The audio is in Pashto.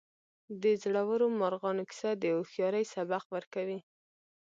د زړورو مارغانو کیسه د هوښیارۍ سبق ورکوي.